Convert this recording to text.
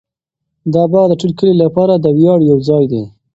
دا باغ د ټول کلي لپاره د ویاړ یو ځای دی.